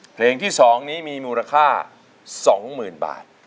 เพลงที่๒นี้มีมูลค่า๒๐๐๐บาท